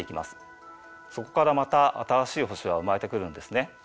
そこからまた新しい星は生まれてくるんですね。